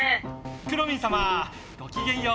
くろミンさまごきげんよう！